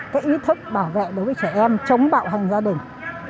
cái ý thức bảo vệ đối với trẻ em chống bạo hành gia đình